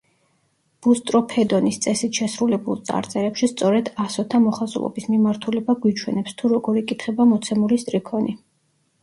ბუსტროფედონის წესით შესრულებულ წარწერებში სწორედ ასოთა მოხაზულობის მიმართულება გვიჩვენებს, თუ როგორ იკითხება მოცემული სტრიქონი.